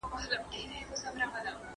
ټک وهم غوږ ستا د کور پر دېوالونو